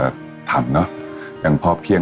ส่วนความเพียงเราก็ถูกพูดอยู่ตลอดเวลาในเรื่องของความพอเพียง